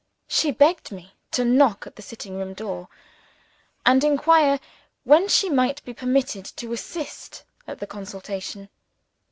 She begged me to knock at the sitting room door, and inquire when she might be permitted to assist at the consultation.